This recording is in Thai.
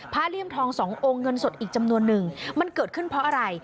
เลี่ยมทองสององค์เงินสดอีกจำนวนนึงมันเกิดขึ้นเพราะอะไร